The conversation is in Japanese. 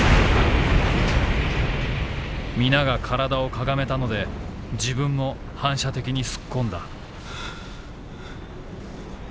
「皆が躯を屈めたので自分も反射的にすっ込んだ」。